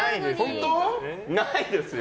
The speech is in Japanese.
ないですよ。